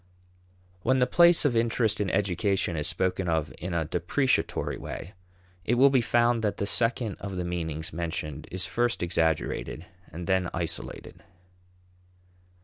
When the place of interest in education is spoken of in a depreciatory way, it will be found that the second of the meanings mentioned is first exaggerated and then isolated.